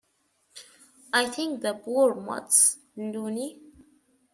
I think the poor mutt's loony.